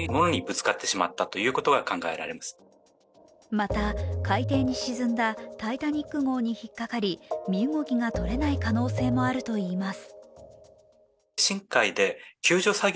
また海底に沈んだ「タイタニック」号に引っかかり身動きが取れない可能性もあるといいます。